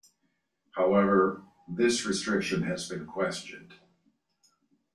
However, this restriction has been questioned.